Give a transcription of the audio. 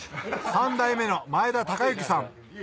３代目の前田崇之さん